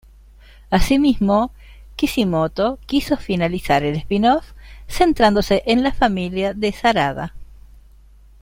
Asimismo, Kishimoto quiso finalizar el spin-off centrándose en la familia de Sarada.